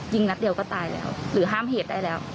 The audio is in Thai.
นัดเดียวก็ตายแล้วหรือห้ามเหตุได้แล้ว